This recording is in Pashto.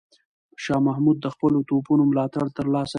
شاه محمود د خپلو توپونو ملاتړ ترلاسه کړ.